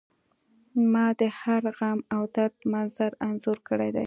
ما د هر غم او درد منظر انځور کړی دی